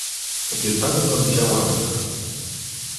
Obiecano nam działania